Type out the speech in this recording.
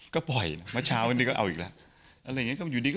ก็บ่อยนะเมื่อเช้าอันนี้ก็เอาอีกแล้ว